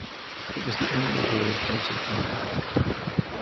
It was the only award voted by the public.